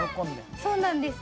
そうなんです。